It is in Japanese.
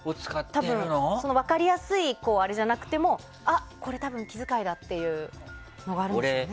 多分、分かりやすいあれじゃなくてもあ、これ多分気遣いだってのがあるんでしょうね。